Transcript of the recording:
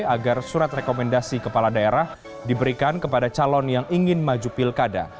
agar surat rekomendasi kepala daerah diberikan kepada calon yang ingin maju pilkada